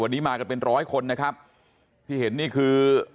วันนี้มากันเป็นร้อยคนนะครับที่เห็นนี่คือ